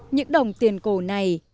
những đồng tiền cổ này